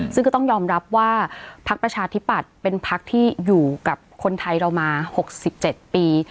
ซึ่งก็ต้องยอมรับว่าพักประชาธิปัตย์เป็นพักที่อยู่กับคนไทยเรามา๖๗ปี